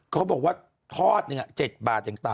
เขาบอกว่าทอดหนึ่ง๗บาทอย่างต่ำ